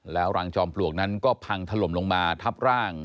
แล้วรังจอมปลวกนั้นก็พังถล่มลงมาทับร่าง